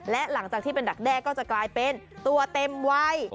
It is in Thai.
และหลังจากที่เป็นดักแด้ก็จะกลายเป็นตัวเต็มวัย